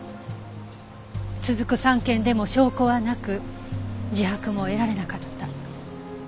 続く３件でも証拠はなく自白も得られなかった。